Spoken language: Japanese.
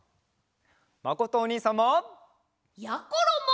まことおにいさんも。